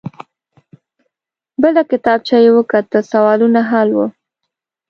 بله کتابچه يې وکته. سوالونه حل وو.